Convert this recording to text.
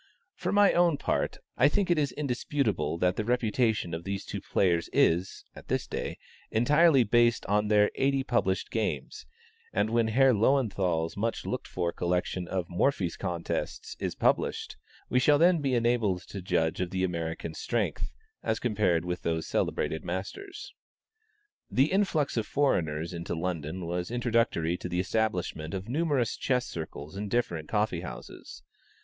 For my own part, I think it is indisputable that the reputation of these two players is, at this day, entirely based on their eighty published games, and when Herr Löwenthal's much looked for collection of Morphy's contests is published, we shall then be enabled to judge of the American's strength, as compared with those celebrated masters. The influx of foreigners into London was introductory to the establishment of numerous chess circles in different coffee houses.